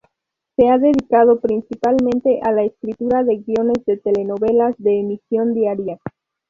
Se ha dedicado principalmente a la escritura de guiones de telenovelas de emisión diaria.